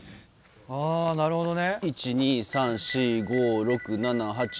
あぁなるほどね。